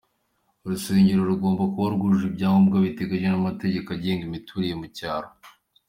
Urusengero rugomba kuba rwujuje ibyangombwa biteganywa n'amategeko agenga imiturire mu cyaro.